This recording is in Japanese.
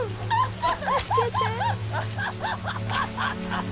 ハハハ